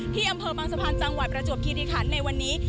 ที่อำเภอบางสะพานจังหวัดประจวบคิริคันในวันนี้